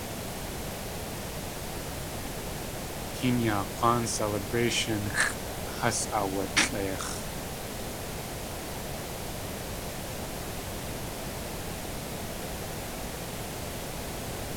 Hinyaa K̲wáan Celebrationxʼ has aawalʼeix̲.